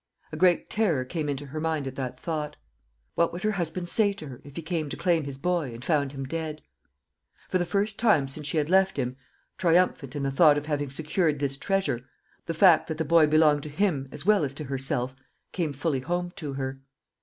A great terror came into her mind at that thought. What would her husband say to her if he came to claim his boy, and found him dead? For the first time since she had left him triumphant in the thought of having secured this treasure the fact that the boy belonged to him, as well as to herself, came fully home to her.